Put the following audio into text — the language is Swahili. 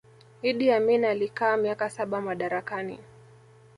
Idi Amin alikaa miaka saba madarakani